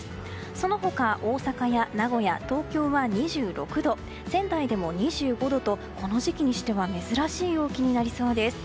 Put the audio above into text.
その他、大阪や名古屋東京は２６度仙台でも２５度とこの時期にしては珍しい陽気になりそうです。